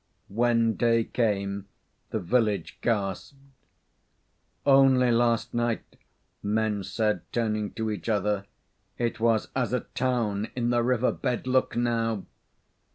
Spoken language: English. When day came the village gasped. "Only last night," men said, turning to each other, "it was as a town in the river bed! Look now!"